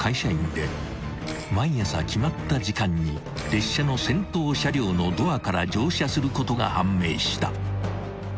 ［毎朝決まった時間に列車の先頭車両のドアから乗車することが判明した］